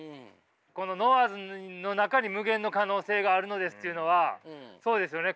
この「ノワーズの中に無限の可能性があるのです」っていうのはそうですよね